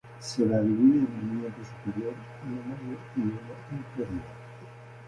Se la divide en un miembro superior, uno medio y uno inferior.